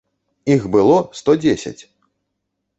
Іх было сто дзесяць!